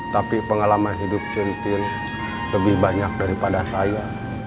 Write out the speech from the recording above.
tapi pengalaman hidup cintin lebih banyak daripada saya